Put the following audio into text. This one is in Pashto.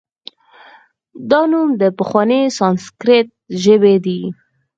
دا نوم د پخوانۍ سانسکریت ژبې دی